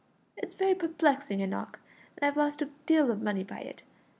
"It's very perplexing, Enoch, and I've lost a deal of money by it.